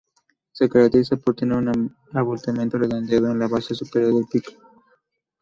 Se caracteriza por tener un abultamiento redondeado en la base superior del pico.